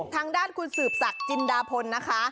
ทางด้านคุณสืบศักดิ์จินดาพลนะคะ